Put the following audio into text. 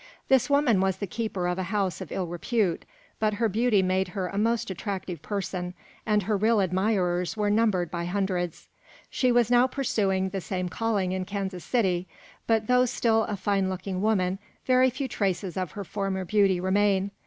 This woman was the keeper of a house of ill repute, but her beauty made her a most attractive person, and her real admirers were numbered by hundreds. She is now pursuing the same calling in Kansas City, but though still a fine looking woman, very few traces of her former beauty remain.